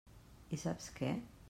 I saps què?